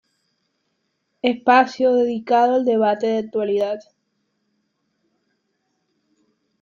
Espacio dedicado al debate de actualidad.